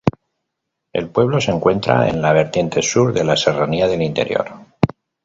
El pueblo se encuentra en la vertiente sur de la Serranía del Interior.